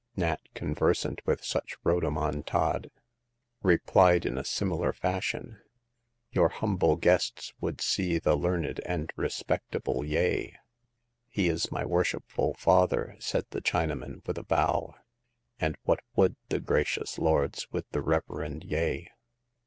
Nat, conversant with such rhodomontade, replied in a similar fashion. "Your humble guests would see the learned and respectable Yeh." " He is my worshipful father," said the China man, with a bow. And what would the gra cious lords with the reverend Yeh